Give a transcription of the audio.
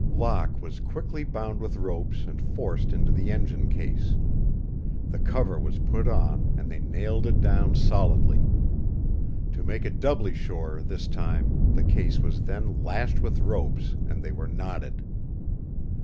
Locke was quickly bound with ropes and forced into the engine case. The cover was put on and they nailed it down solidly. To make it doubly sure this time the case was then lashed with ropes and they were knotted.